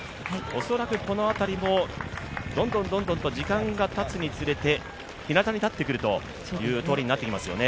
恐らくこの辺りもどんどん時間がたつにつれてひなたに立っていくという通りになっていきますよね。